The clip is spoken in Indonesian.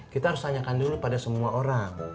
kita harus tanyakan dulu pada semua orang